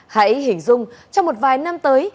hãy hình dung trong một vài năm tới